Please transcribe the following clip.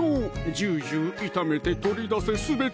「ジュージュー炒めて取り出せすべて！」